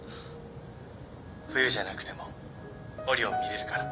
冬じゃなくてもオリオン見れるから。